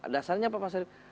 dasarnya apa pak sandiata